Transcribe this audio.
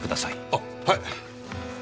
あっはい！